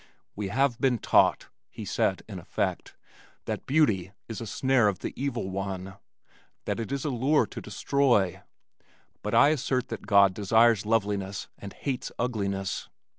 "We have been taught," he said in effect, "that beauty is a snare of the evil one; that it is a lure to destroy, but I assert that God desires loveliness and hates ugliness.